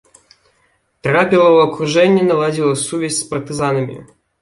Трапіла ў акружэнне, наладзіла сувязь з партызанамі.